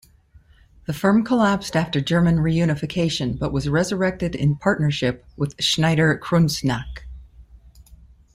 The firm collapsed after German reunification but was resurrected in partnership with Schneider Kreuznach.